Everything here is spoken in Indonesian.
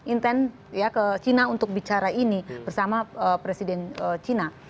intent ke cina untuk bicara ini bersama presiden cina